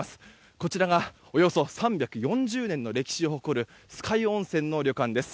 こちらがおよそ３４０年の歴史を誇る酸ヶ湯温泉の旅館です。